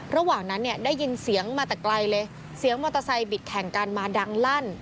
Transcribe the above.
ระหว่างนั้นเนี่ยได้ยินเสียงมาแต่ไกลเลยเสียงมอเตอร์ไซค์บิดแข่งกันมาดังลั่น